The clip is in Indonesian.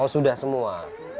oh sudah semua